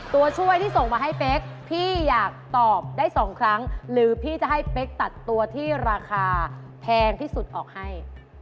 ตัวช่วยที่ส่งมาให้เป๊กพี่อยากตอบได้๒ครั้งหรือพี่จะให้เป๊กตัดตัวที่ราคาแพงที่สุดออกให้